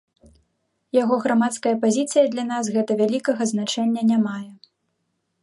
Яго грамадская пазіцыя для нас гэта вялікага значэння не мае.